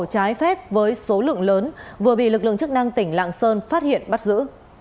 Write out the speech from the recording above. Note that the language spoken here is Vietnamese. trái phép với số lượng lớn vừa bị lực lượng chức năng tỉnh lạng sơn phát hiện bắt giữ